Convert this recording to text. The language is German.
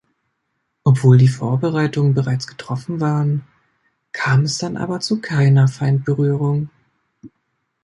Obwohl die Vorbereitungen bereits getroffen waren, kam es dann aber zu keiner Feindberührung.